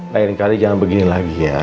lain kali jangan begini lagi ya